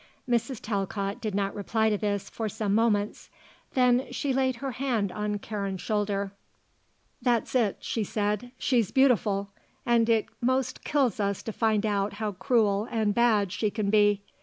Mrs. Talcott did not reply to this for some moments; then she laid her hand on Karen's shoulder. "That's it," she said. "She's beautiful and it most kills us to find out how cruel and bad she can be.